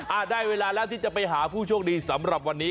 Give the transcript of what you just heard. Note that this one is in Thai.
ได้เวลาแล้วที่จะไปหาผู้โชคดีสำหรับวันนี้